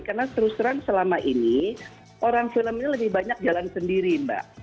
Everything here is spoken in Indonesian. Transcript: karena terus terang selama ini orang film ini lebih banyak jalan sendiri mbak